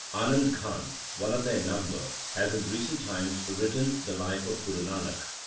Anand Ghan, one of their number, has in recent times written the life of Guru Nanak.